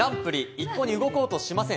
一向に動こうとしません。